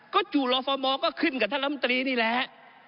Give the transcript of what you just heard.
ก็จุลฟมก็ขึ้นกับท่านลำตรีนี่แหละ